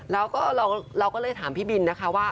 แล้วก็เราก็เลยถามพี่บินนะคะว่า